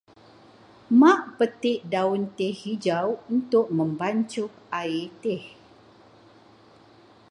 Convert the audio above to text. Mak petik daun teh hijau untuk membancuh air teh.